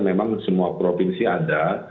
memang semua provinsi ada